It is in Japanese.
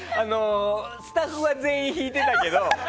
スタッフは全員引いてたけど。